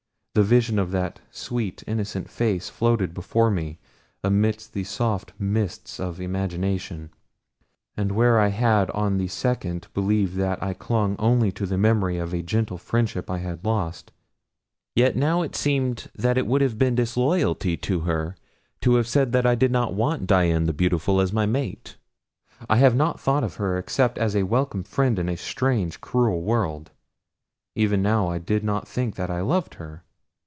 The vision of that sweet and innocent face floated before me amidst the soft mists of imagination, and where I had on the second believed that I clung only to the memory of a gentle friendship I had lost, yet now it seemed that it would have been disloyalty to her to have said that I did not want Dian the Beautiful as my mate. I had not thought of her except as a welcome friend in a strange, cruel world. Even now I did not think that I loved her.